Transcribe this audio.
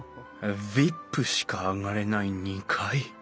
ＶＩＰしか上がれない２階